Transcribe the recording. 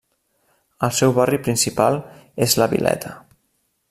El seu barri principal és la Vileta.